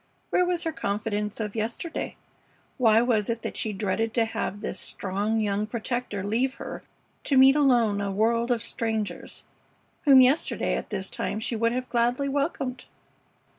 Where was her confidence of yesterday? Why was it that she dreaded to have this strong young protector leave her to meet alone a world of strangers, whom yesterday at this time she would have gladly welcomed?